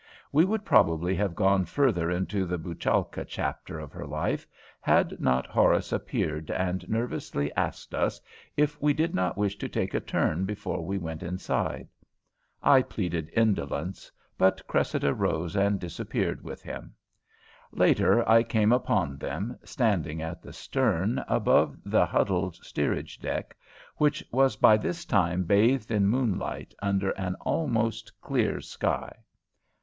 We would probably have gone further into the Bouchalka chapter of her life, had not Horace appeared and nervously asked us if we did not wish to take a turn before we went inside. I pleaded indolence, but Cressida rose and disappeared with him. Later I came upon them, standing at the stern above the huddled steerage deck, which was by this time bathed in moonlight, under an almost clear sky.